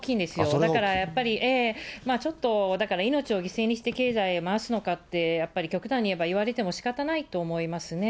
だからやっぱり、ちょっとだから命を犠牲にして経済回すのかって、極端にいえば言われてもしかたないと思いますね。